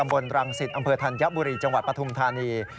ประสิทธิ์อำเภอธันยบุรีจังหวัดปฐุงธานี